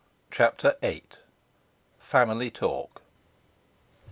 CHAPTER VIII. FAMILY TALK.